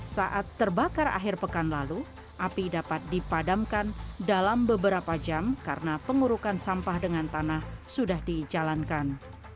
saat terbakar akhir pekan lalu api dapat dipadamkan dalam beberapa jam karena pengurukan sampah dengan tanah sudah dijalankan